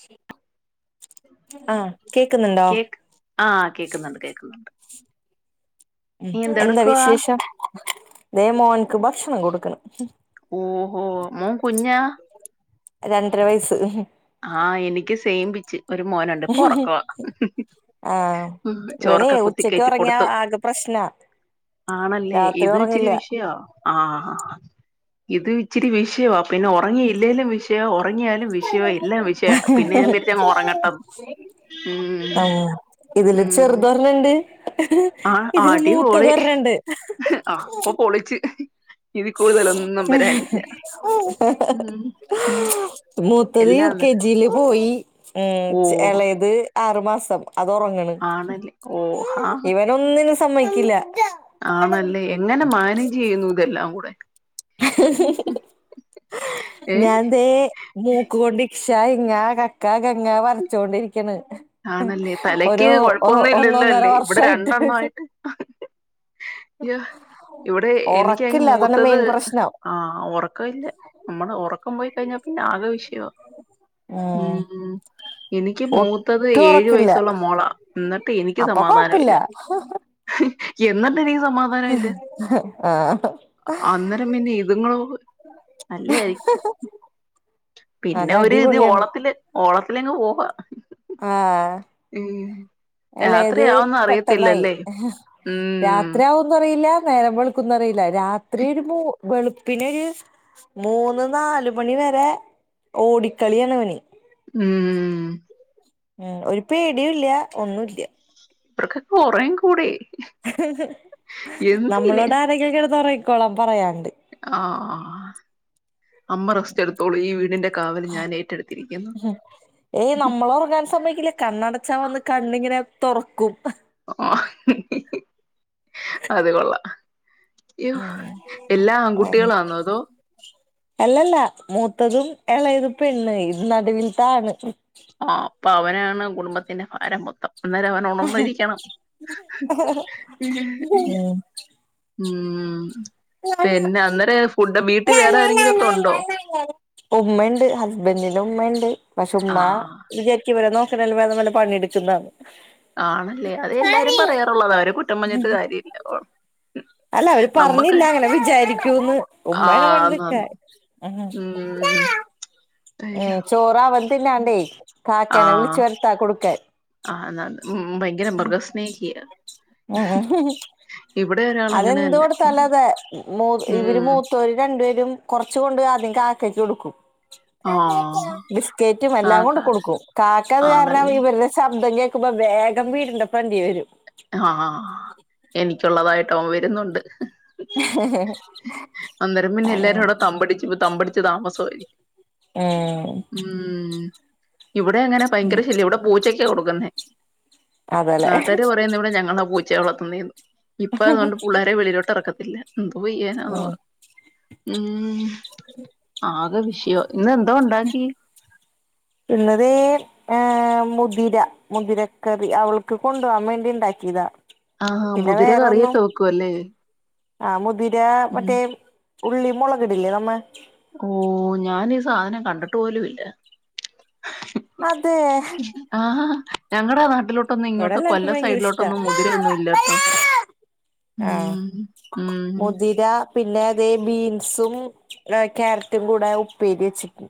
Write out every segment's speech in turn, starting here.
ശ കേക്ക് ആഹ് കേക്കുന്നുണ്ട് കേക്കുന്നുണ്ട് നീ എന്താ എന്തെടുക്കുവാ വിശേഷം ദേവമോൻ [unintelligible] മ്മം കൊടുക്കണ് ഓഹോ മൂ കുഞ്ഞ രണ്ടര വയസ്സ് ആഹ എനിക്ക് സെയിം പിച്ച് ഒരു മോനുണ്ട്ഇപ്പൊ ഉറക്കവാ ഹി ഹി ആഹ് ഹി ഇവനെ ചോറൊക്കെ കുത്തി ഉച്ചക്ക് കയറ്റി ഒറങ്ങിയാ കൊടുത്ത് ആകെ പ്രശ്നാ ആണല്ലേ രാത്രി ഇത് ഇച്ചിരി ഒറങ്ങില്ല വിഷയോ ആഹ ഇതും ഇച്ചിരി വിഷയമ- [unintelligible] പിന്നെ ഉറങ്ങിയില്ലേലും വിഷയ ഉറങ്ങിയാലും വിഷയം [unintelligible] വിശ പിന്നെ ഞാൻ വരിച്ചങ് ഉറങ്ങട്ടന്ന് ഉം ഇതില് മ്മ് മ് ചെറുതൊരെണ്ണണ്ട് ആ ഇതില് അടിപൊളി മൂത്തതൊരെണ്ണണ്ട് അപ്പൊ പൊളിച്ചു ഉം ഉം [unintelligible] മൂത്തത് യു എല്ലാം കെ ജി യില് പോയി ഉം ഓഹ് ഇളയത് ആറുമാസം സം [inaudible] അത് ഉറങ്ങണ് ആണല്ലേ ഓഹ് ആഹ് ഇവൻ ഒനിന്നും സ - സമ്മയ്ക്കില്ല ആണല്ലേ എങ്ങനെ മാനേജ് ചെയ്യുന്നു ഇതെല്ലാം കൂടെ [unintelligible] ഏ ഞാൻ ദേ മൂക്ക് കൊണ്ടി ഇക്ഷ ഇങ്ങ കക്ക കങ്ങ വരച്ചൊണ്ടിരിക്ക ആണല്ലേ തലക്ക് കൊഴപ്പൊന്നും ഇല്ലല്ലോ ഒന്നൊന്നര അല്ലേ ഇവിടെ വർഷായിട്ട് രണ്ടെണ്ണ ആയിട്ട് [unintelligible] അയ ഇവിടെ എനിക്കാണെങ്കിൽ ഒറക്കില്ല അതാണ് മൂത്തത് മെയിൻ പ്രശ്നം ആ ഉറക്കമല്ല നമ്മള് ഉറക്കം പോയി കഴിഞ്ഞാ പിന്നെ ആകെ വിഷയമാണ് ഉം മ് എനിക്ക് മൂ- അതായത് ഒട്ടും ഏഴു ഒറക്കില്ല വയസ്സുള്ള മോളാ എന്നിട്ട് എനിക്ക് അപ്പൊ കൊഴപ്പില്ല സമാധാനമില്ല [unintelligible] എന്നാ [unintelligible] സമാധാന ഇല്ല ആഹ് അന്നേരം പിന്നെ ഇതുങ്ങളോ നല്ലായിരിക്കും പിന്നെ നല്ല ഒരു ഇത് അടിപൊളിയാണ് ഓളത്തില് ഓള ലങ് പോവാ ആ മ് അല്ലത് പെട്ടെന്നായി ഉം രാത്രി ആകന്ന് അറിയില്ല നേരമ്പൊളക്കുംന്ന അറിയില്ല രാ ത്രി ഒരു മൂ വെളുപ്പിനൊരു മൂന്ന് നാല് മണി വരെ ഓടിക്കളിയാണിവന് മ്മ്മ് മ്മ് ഒരു പേടിയുല്യ ഒന്നൂല്യ ഇപ്പറക്കെ കൊറേയും കൂടി. നമ്മളോട് ആരെങ്കൊക്കെ എടുതോറെയും. കുളം പറയാണ്ട് ഓ ഞാൻ ഏറ്റെടുത്തിരിക്കുന്നു ഏയ് നമ്മള ഉറങ്ങാൻ സമ്മക്കില്ലേ കണ്ണടച്ചാ വന്ന് കണ്ണിങ്ങനെ തൊറക്കും. അത് കൊള്ളാം. യ്യോ എല്ലാ ഉ ആൺകുട്ടികളാന്നോ അതോ അല്ലല്ല മൂ മൂത്തതും എളേതും പെണ്ണ് ഇത് നാടുവിലത്തെ ആണ്. ആഹ് അപ്പൊ അവനാണ് കുടുംബത്തിന്റെ ഭാരം മൊത്തം. അന്നേരം അവൻ ഉണർന്ന ഇരിക്കണം ഉം ഉം പിന്നെ അന്നേരം ഫുഡ് വീട്ടിൽ വേറെ ആരെങ്കിലക്കെ ഉണ്ടോ ഇണ്ട് പക്ഷെ ഉമ്മ ആഹ് വിചാരിക്കും ഇവരെ നോ ഇതിലും വേദം ല്ല പണിയെടുക്കുന്നതാ ആണല്ലേ അത എല്ലാരും പറയാറുള്ളതാ അവര് കുറ്റം പറഞ്ഞിട്ട് കാര്യം ഇല്ല. അല്ല അവര് പറഞ്ഞില്ല അങ്ങനെ വിചാരിക്കൂന്ന് ഉമ്മാണ് ആഹ് ന്ന് പണ്ടക്ക ഉം ഉം അയ്യോ ചോറവൻ തിന്നാണ്ടെ കാക്കനെ വിളിച്ചു വരത്ത കൊടു ഓക്കെ ആഹ് എന്നാണ്ട് ഉ ഭയങ്കര മൃഗസ്നേഹിയ ഉം ഉം അതെന്ത് കൊടുത്താലോ അതെ മൂ ഇവര് ഉം മൂത്തര് രണ്ടുപേര് കുറച്ച് കൊണ്ട് ആദ്യം കാക്കയ്ക്ക് കൊടുക്കും. ആ ബിസ്കറ്റും ആ എല്ലാം കൊണ്ട് ക- കൊടുക്കും കാക്കത് കാരണം ആണല്ലേ ഇവരുടെ ശബ്ദം വേഗം വീടിന്റെ ഫ്രെണ്ടി വരും. ആഹ എനിക്കുള്ളതായി ട്ടം വരുന്നുണ്ട്. അന്നേരം പിന്നെ അങ്ങനെ എല്ലാരുംവിടെ തമ്പടിച്ചു തമ്പടിച്ച് താമസമായിരിക്കും ഉം ഉ ഇവിടെ അങ്ങനെ ഭയങ്കര ശല്യ ഇവിടെ പൂച്ചക്കെ കൊടുക്കുന്നേ അതേല്ലേ നാട്ടാര് ഇടെ ഞങ്ങളുടെ പച്ച വളത്ത ന്നെന്ന്. ഇപ്പൊ അതുകൊണ്ട് പുള്ളേരെ വെളിലോട്ട് ഇറക്കത്തില്ല. ഉം പോയി എ ഹൊ ഹൊ ഉം ഉം ആകെ വി ഷ്യോ പിന്ന തേ ഏ മു മുതിര മുതിരക്കറി അവൾക്ക് കൊണ്ടു പോകാൻ വേണ്ടി ഇണ്ടാക്കിതാ ആ മുതിര കറിയൊക്കെ വെക്കുവ അല്ലേ ആ മുതി ഇതാ മറ്റേ ഉള്ളി മുളകിടില്ലേ നമ്മ ഓ ഞാനീ സാധനം കണ്ടിട്ട് പോലുല്ല അതെ ഞങ്ങടെ നട്ടിലോ അവിടെല്ലർക്കും ഭയങ്കര ഇഷ്ടാ ഇല്ലാട്ടോ ആഹ് ഉം ഉം മുതിര പിന്നെ അതെ ബീൻസും ക്യാരറ്റും കൂടെ ഉപ്പേരി വെച്ചിട്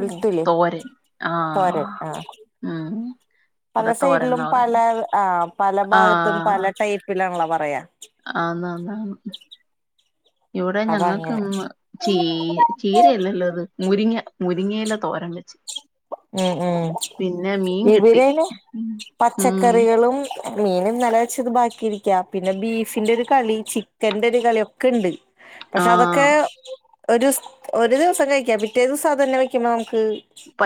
ഓ തോരൻ ആ തോരൻ ആ ഉം പല ഇവിടെ തോരൻ സൈഡിലും എന്നാ പല പറയുന്നെ ആഹ് പല ഭാഗത്തും ആഹ് പല ടൈപ്പിലാണുള്ള പയ ആന്ന് ആന്ന് ഇവിടെ അപ്പൊ ഞങ്ങൾക്ക അങ്ങനെ ന്ന് ചീ ചീരയല്ലല്ലോ ഇത് മുരിങ്ങ മുരീങ്ങയില തോരാൻ വച്ച് ഉ ഉം കിട്ടി ഇവരേന് ഉം പച്ചക്കറികളും മീനും ന്നെ ലെ വെച്ചത് ബാക്കിയിരിക്കും ക്ക്യ പിന്നെ ബീഫിന്റെ ഒരു കളി ചിക്കന്റെ ഒരു കളി ഒക്കെ ഉണ്ട് പക്ഷെ അതൊക്കെ ആഹ് ഒരുസ് ഒരു ദിവസം കഴിക്കാം പിറ്റേസംഅതന്നെ വെക്കുമ്പോ ന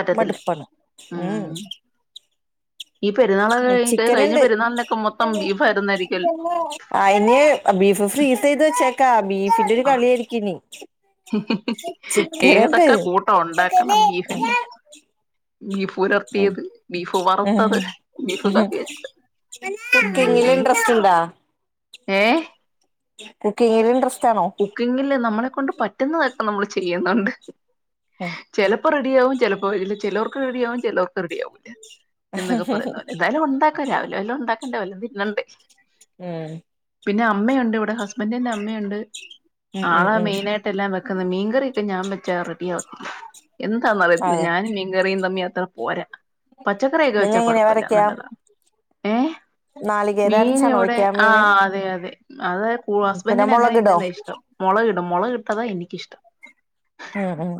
ഉം മടുപ്പണ് ഉം ഈ പെരുന്നാളൊക്കെ ഉ കഴി കഴിഞ്ഞ ചിക്കന്ണ്ട് പെരുന്നാളിനൊക്കെ മൊത്തം ബീഫായിരുന്നായിരിക്കുവല്ലോ ആയ്ല് ബീഫ് ഫ്രീസ് ചെയ്ത് വച്ചേക്കാ ബീഫിറ്റല് കളിയായിരിക്കും ഇനി ചിക്കനുണ്ട് ഏതൊക്കെ കൂട്ടം ഉണ്ടാക്കണം ബീഫിന്റെ ബീഫ് ഉലർത്തിയത് ബീഫ് വറുത്തത് ബീഫ് കറി വെച്ചത് കുക്കിങ്ങിൽ ഇൻട്രസ്റ്റ് ഇണ്ടാ ഏഹ് കുക്കിംഗിന് ഇണ്ട്രസ്റ്റ് കുക്കിങ്ങില് നമ്മളെ കൊണ്ട് പറ്റുന്ന നമ്മള് ചെയ്യുന്നുണ്ട് ഉം ചിലപ്പോ റെഡിയാവും ചില ഒ ഇത് ചെലോർക്ക് റെഡിയവും ചെലോക്ക് റെഡി ആവൂല എന്നൊക്കെ പറയുന്നത് പോല എന്തായാലും ഉണ്ടാക്ക രാവിലെ വല്ലാം ഉണ്ടാക്ക [unintelligible] പിന്നെണ്ട് ഉം പിന്നെ അമ്മയുണ്ട് ഇവിടെ ഹസ്ബൻന്റിന്റെ അമ്മയുണ്ട് ഉം ആള ഉം ഉം മെയിനായിട്ടെല്ലാം വെക്കുന്ന മീൻകറി പി ഞാൻ വെച്ചാ റെഡി ആവത്തില്ല എന്താന്നറിയത്തില്ല അതെ ഞാനും മീൻക്കറിം തമ്മി അ ത്ര പോരാ പച്ചക്കറിയൊക്കെ നിങ്ങ വെച്ചാ എങ്ങനെയാ കൊഴപ്പല്ല വരയ്ക്കാ നല്ലതാ ഏഹ് നാളികേരം മീന് അരച്ചാണോ വ്ടെ വെക്കാ ആ മീന് അതെ യതെ അത് പൂ പിന്നെ ഹസ്ബന്റിന് അങ്ങനെ മുളകിടോ ന്ന്ന്നേ ഇഷ് ടും മൊളക് ടും മൊളക് ട്ടതാ എനിക്കിഷ്ടം ഉം ഉം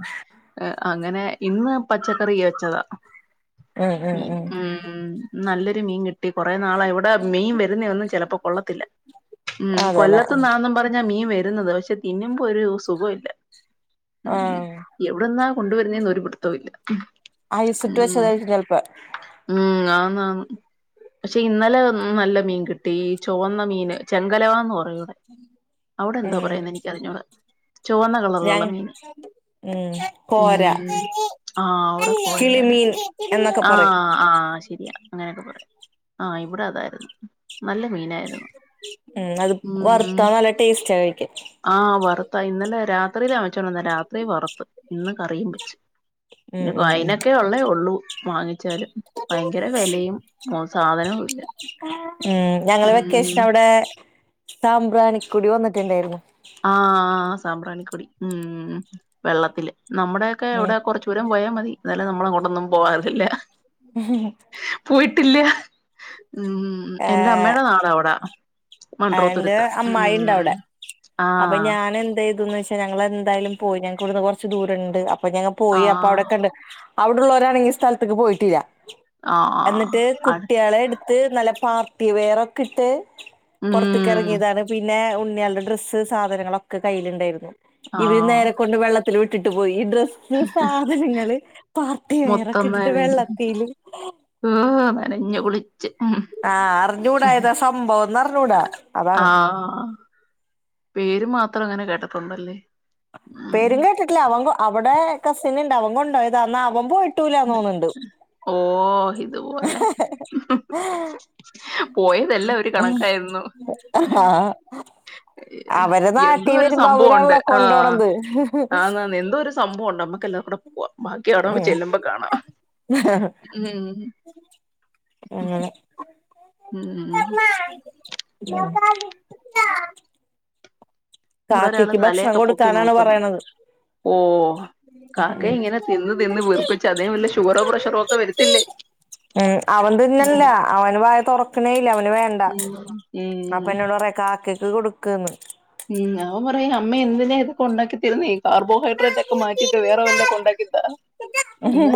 ഏഹ് അങ്ങനെ ഇന്ന് പച്ചക്കറി യെച്ചതാ ഉം ഉം മീൻ ഉം നല്ലൊരു മീൻ കി ട്ടി കൊറേ നാളെ ഇവ്ട മീം വരുന്നേ ഒന്നും ചെലപ്പോ കൊള്ളത്തില്ല ഉം അതെല്ലേ കൊല്ലത്ത്ന്നാന്നും പറഞ്ഞ മീ ര്ന്നത് പക്ഷെ തിന്നുമ്പോ ഒരു സുഖൊ ഇല്ല ഉം ആഹ് എവിട്ന്നാ കൊണ്ടുവരുന്നേന്ന് ഒരുപിട്ത്തവു ഇല്ല അയ്സ് ട്ട് ഉം വെച്ചതയ്ക്കു ചെൽപ്പോ മം പക്ഷെ ഇന്നലെ ഉം നല്ല മീൻ കിട്ടി ചൊവന്ന മീന് ചെങ്കലവാന്ന് പ റിയുവിടെ അവിടെന്ത ഉം കുറേന്നെനിക്ക് അറിഞ്ഞൂട ചൊവന്ന ഞ കളറിലുള്ള മീന് ഉം കോര ഉം ആ അവിടെ കോരയാണ് കിളിമീൻ എന്നൊക്കെ ആ പറയും ആ ശെരിയാ അങ്ങനെയൊക്കെ പറയും ആ ഇവിടെ അതായിരുന്നു നല്ല മീനായിരുന്നു ഉം അത് ഉം വറ്ത്താ നല്ല ടേസ്റ്റാ കഴിക്ക ആഹ് വറുത്താ ഇന്നലെ രാത് ത്രിയിലാ ച്ചോണ്ട്വന്നേ രാത്രി വറ്ത്ത് ഇന്ന് കറിയും വെച്ച് ഉം പിന്നെപ്പ ഉം ഉം അയിനൊക്കെ ഒള്ളേ ഒള്ളൂ വാങ്ങി വച്ചാലും ഭയങ്കര വെലയും സാധനവും ഇല്ല ഉം ഉം സാബ്രാണികൊടി വന്നിട്ടുണ്ടായിരുന്നു ആഹ് സാമ്പ്രാണിക്കൊടി ഉം വെള്ളത്തില് നമ്മുടെ ഒക്കെ ഉം ഇവടെ കൊറച്ചു ദൂരം പോയാ മതി തെല നമ്മളങ്ങോട്ടൊന്നും പോവാറില്ലലെ.. ഹ് മ് ഹ് ഹ് ട്ട് ഇല്യാ ഉം.. ഏഹ് എന്റെമ്മേടെ നാടവിടാണ് എന്റെ മൺഡ്രോത്തുരുത്താ, അമ്മായി ഉണ്ട് ഉം... അവിടെ അപ്പൊ ആഹ് ഞാൻ എന്തയ് ചെയ്തുന്നച്ച ഞങ്ങളെന്താലും പോയി, ഞങ്ങക്കുടുന്ന് കുറച്ച് ദൂരണ്ട് അപ് അപ്പൊ ഞങ്ങ പോയി അപ്പൊ അയുടെ ആഹ് കണ്ട്. അവിടുള്ളവരാണെങ്കി ഇസ്ഥലത്തേക്ക് പോയിട്ടില്ല. ആഹ് എന്ന്ട്ട് അടു കുട്ട്യളെട്ത്ത് നല്ല പാർട്ടി വെയറൊക്ക്ട്ട് ഉം പൊർത്ത്‌ക്കെറങ്ങിയതാണ്. പിന്നേ. ഉം ണ്യൾടെ ഡ്രസ്സ് സാധനങ്ങളൊക്ക കയ്യില്ണ്ടായിരുന്നു. ഇവി ആഹ് നേരെ കൊണ്ട് വെള്ള ത്ത്ല് വിട്ടിട്ട് പോയി. ഇഡ്രസ്സ് സാധനങ്ങള് പാർട്ടി മൊത്തം വെയറൊക്കെട്ടിട്ട് നനഞ്ഞ് വെള്ളത്തീല് നഞ്ഞ ഉളി ആഹ് അർഞ്ഞൂടഏതാ സംഭവന്നർഞ്ഞൂടാ അതാണ്. ആഹ് പേര് മാത്രങ്ങന കേട്ടട്ടൊണ്ടല്ലേ? പേരുങ്കേട്ടിട്ടില്ല അവങ്കൊ അവ്ടേ കസിന്ണ്ടവൻ കൊണ്ടോയതാ.. ന്നാ അവം പോയ്. [inaudible] ഓാ ഇതുപോലെ മ്ഹ്ഹ് പോയതെല്ല ഒരു കണക്കായ്രുന്നു. ആഹ് യ്.. ഇതു വോലെ [unintelligible] പോയതെല്ല ഒര്കണക്കായിരുന്നു. അവരെ നാട്ടി യെന്തോരു വരുമ്പോ സംഭവൊണ്ട്.. അവരാണല്ലോ ആഹ് കൊണ്ടോണത് ആന്നാന്ന് എന്തോ ഒരു സംഭവൊണ്ടമ്മ ക്കല്ലാക്കുട പോവാ ബാക്കി അടോക് ചെല്ലുമ്പ ങ് ഹ ഹ അങ്ങനെ ഉം ഉ ഉം. [unintelligible] ഇവിടെ ഒരാള് കാക്കയ്ക്ക് ഭക്ഷണം തലയൊക്കെ പൊക്കി കൊടുക്കാനാണ് നോക്കുന്നു പറയണത്. ഓ കാക്ക ഇങ്ങനെ തിന്ന് തിന്ന് വീർപ്പിച്ച് അതിന് വല്ല ഷുഗറോ പ്രഷറോ ഒക്കെ വരത്തില്ലേ [unintelligible] ഊ അവൻ ഉം തിന്ന്ന്ല്ലാ അ കാക്ക ന് [unintelligible] കൊടുക്ക്ന്ന് ഉം അവൻ പറയും അമ്മേ എന്തിനാ ഇതൊക്കെ ഒണ്ടാക്കി തരുന്നേ കാർബോഹൈഡ്രേറ്റ് ഒക്കെ മാറ്റിട്ട് വേറെ വല്ലോം ഒക്കെ ഒണ്ടാക്കി താ എന്ന്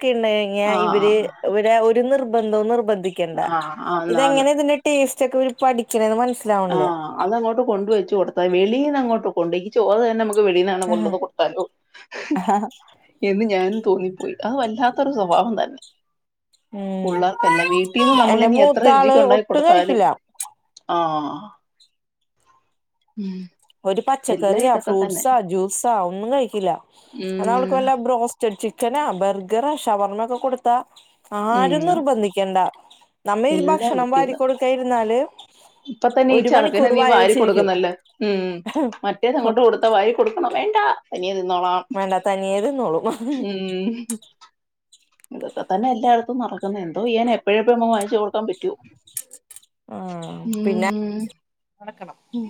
ക്കെ ഇണ്ടെങ്ങെ ഇവര് ആഹ് ഇവരെ ഒരു നിർ ബന്തോ നിർബ ന്ധിക്കണ്ട ആഹ് ആന്ന് ആന്ന് ഇതെങ്ങനെയാ ഇതിന്റ ടേസ് റ്റൊക്കെ ഇവര് പഠിക്കണേന്ന് മനസ്സ ആഹ് അത് അങ്ങോട്ട് കൊണ്ടു വെച്ചു കൊടുത്താ വെളീന്നങ്ങോട്ട് കൊണ്ട് ഈ ചോറ് തന്നെ നമ വെളിന്നാണ് കൊണ്ടൊന്ന് കൊടുത്താലോ എന്ന് ഞാനും തോന്നിപ്പോയി അത് വല്ലാത്തൊരു സ്വഭാവം തന്നെ ഉം പുള്ളേർക്കല്ല വീട്ടിന്ന് നമ്മള് എന്റെ ഇനി എത്ര മൂത്താള് രുചിക്ക് ഉണ്ടാക്കി ഒട്ടും കൊടുത്താലും കഴിക്കില്ല ആ ആ ഒരു പച്ചക്കറിയാ തന്നെ ഫ്രൂട്ട്സാ ജ്യൂസാ ഒന്നും കഴിക്കില്ല എന്നാ ഉം അവൾക്ക് വെല്ല ബ്രോസ്റ്റഡ് ചിക്കൻ ആ ബർഗറാ ഷവർമൊക്കെ കൊടുത്താ ആരും ഉം നിർബന്ധിക്കണ്ട നമ്മ ഈ ഭക്ഷണം വാരി കൊടുക്കാൻ ഇരുന്നാല് ഇപ്പ തന്നെ ഈ ഒരു ചെർക്കന് മണിക്കൂർ നീ വായ വാരി വെച്ചിരിക്കും കൊടുക്കുന്നല്ല ഉം മറ്റേത് അങ്ങോട്ട് കൊടുത്ത വാരി കൊടുക്കണോ വേ വേണ്ടാ തനിയെ തിന്നോളാം വേണ്ട തനിയെ തിന്നോളും ഉം ഇതൊക്കെ തന്നെ എല്ലായിടത്തും നടക്കുന്നേ എന്തോ ചെയ്യാനാ എപ്പഴെപ്പഴും [unintelligible] വാങ്ങിച്ചു കൊടുക്കാൻ പറ്റോ ആ പിന്നെ ഉം ഉം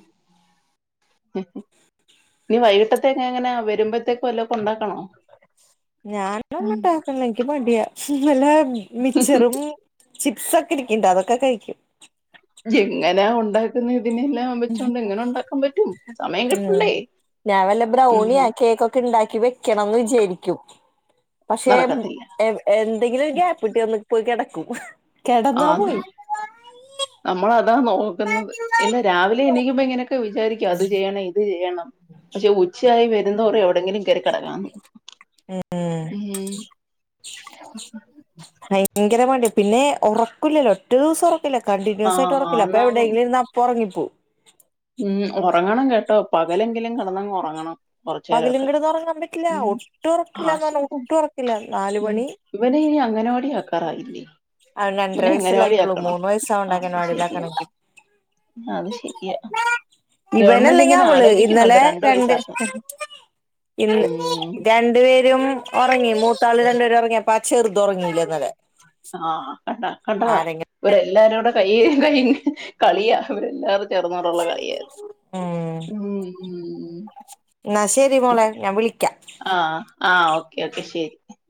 ഇനി വൈകിട്ടത്തേക്കെങ്ങനാ വരുമ്പോഴത്തേക്ക് വല്ലതും ഒക്കെ ഉണ്ടാക് ഞാൻ [unintelligible] എനിക്ക് മടിയാ വല്ല മിച്ചറും ചിപ്സ് ഒക്കെ ഇരിക്കണ്ട് അതൊക്കെ കഴിക്കും ജെങ്ങനാ ഉണ്ടാക്കുന്നെ സമയം ഉം കിട്ടണ്ടേ ഞാൻ വല്ല ഉം ബ്രൗണിയാ കേക്കൊക്കെ ഉണ്ടാക്കി വെക്കണംന്ന് വിചാരിക്കും പക്ഷെ നടക്കത്തില്ല എ എന്തെങ്കിലും ഒരു ഗ്യാപ്പ്കിട്ടി ഒന്ന് പോയി കെട- ക്കും- ആന്ന് നമ്മള് - അ നോക്കുന്നത് ഇല്ല രാവിലെ എണീക്കുമ്പം ഇങ്ങനൊക്കെ വിചാരിക്കും അത് ചെയ്യണം ഇത് ചെയ്യണം പക്ഷെ ഉച്ചയായി വെര്- [unintelligible] എവിടെങ്കിലും- കേറിക്കടക്കാതോന്നു ഉം- ഭങ്കര പണി പിന്നെ ഒറക്വല്ലല്ലോഒറ്റ ദിവസം ഒറ ക്കില്ല കണ്ടിന്യൂസായിട്ട് ആഹ് ഉറക്കില്ല അപ്പം ആന്നാ എവിടെയെങ്കിലും ഇരുന്നാ അപ്പം ഒറങ്ങി- പോവ്- ഉം ഒറങ്ങണം കേട്ടോ പകലെങ്കിലും കെടന്നങ്ങ് ഒറങ്ങണം - പകലും കിടന്ന് ഒറങ്ങാൻ പറ്റില്ല ഒട്ടും ഒറക്കില്ലന്നാണ് ആശയം ഒട്ടും ഒറക്കില്ല നാല് മണി - ക്കാറായില്ലേ? അവന് രണ്ടര വയസല്ലായിട്ടുള്ളൂ മൂന്ന് വയസാവണ്ട ആ, അങ്ങനെ അത് ശരിയാ അങ്ങനവാടിലാക്കണമെങ്കിൽ അത് ശരിയാ ഗവൺമെന്റ് ഇവനല്ലെങ്കിൽ ഇങ്ങനെ അവള് ആലോചിക്കുന്നുണ്ട് ഇന്നലെ രണ്ടു രണ്ട് വയസ്സാക്കാൻ ഇ ഉം രണ്ടു പേരും- ഒറങ്ങി മൂത്താള് രണ്ടപേര് ഒറങ്ങിയപ്പാ ചെറുത് ഒറങ്ങില്ല ഇന്നലെ - ആഹ് കണ്ടാ കണ്ടാ ഒരു എല്ലാരൂടെ- കൈ കഴുകി കളിയ ഇവിരെല്ലാവർ- ചേർന്നോണ്ടുള്ള കളിയാത് ഉം ഉം എന്നാ ശരി ഉം മോളെ ഞാൻ വിളിക്കാ ആഹ് ആഹ് ഓക്കെ ഓക്കെ ശരി-